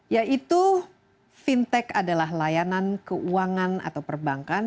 yaitu fintech adalah layanan keuangan atau perbankan